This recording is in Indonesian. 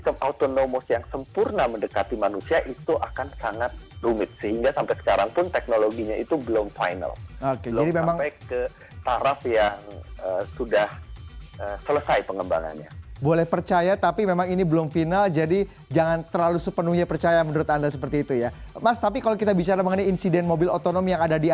tentunya semua pihak berusaha menghindari kemungkinan paling buruk dari cara menghidupkan mobil mobil otonom ini